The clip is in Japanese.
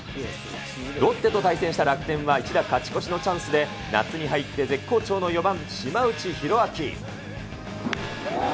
ロッテと対戦した楽天は一打勝ち越しのチャンスで、夏に入って絶好調の４番島内宏明。